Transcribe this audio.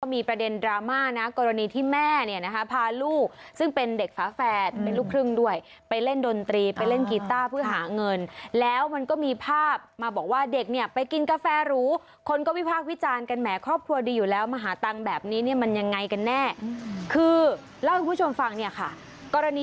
มีประเด็นดราม่านะกรณีที่แม่เนี่ยนะคะพาลูกซึ่งเป็นเด็กฝาแฝดเป็นลูกครึ่งด้วยไปเล่นดนตรีไปเล่นกีต้าเพื่อหาเงินแล้วมันก็มีภาพมาบอกว่าเด็กเนี่ยไปกินกาแฟหรูคนก็วิพากษ์วิจารณ์กันแหมครอบครัวดีอยู่แล้วมาหาตังค์แบบนี้เนี่ยมันยังไงกันแน่คือเล่าให้คุณผู้ชมฟังเนี่ยค่ะกรณี